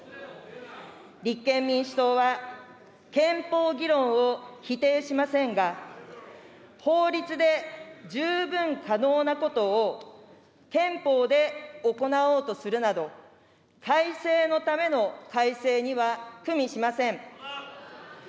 立憲民主党は、憲法議論を否定しませんが、法律で十分可能なことを憲法で行おうとするなど、改正のための改正にはくみしません。